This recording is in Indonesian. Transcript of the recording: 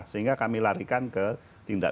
sehingga kami larikan ke tindakan